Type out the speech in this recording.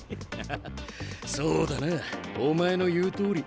ああそうだなお前の言うとおり。